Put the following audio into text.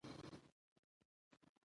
مرکزي ټکی په فعلي ترکیب کښي فعل يي.